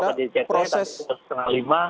tadi sudah setengah lima